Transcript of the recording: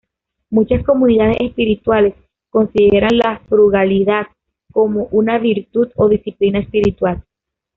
Muchas comunidades espirituales consideran la frugalidad como una virtud o disciplina espiritual.